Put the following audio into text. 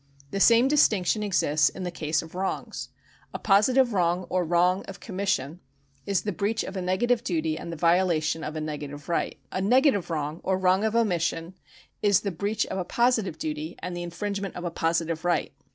The same distinction exists in the case of wrongs. A positive wrong or wrong of commission is the breach of a negative duty and the violation of a negative right. A negative wrong or wrong of omission is the breach of a positive duty, and the infringe ment of a positive right.